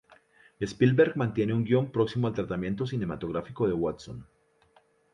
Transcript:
Spielberg mantiene el guion próximo al tratamiento cinematográfico de Watson.